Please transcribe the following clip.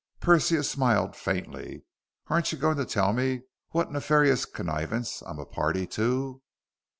Persia smiled faintly. "Aren't you going to tell me what nefarious connivance I'm a party to?"